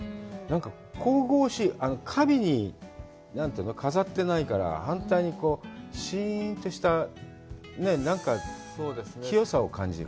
神々しい、華美に飾ってないから、反対にシーンとした何か清さを感じる。